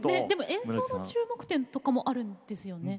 演奏の注目点とかもあるんですよね？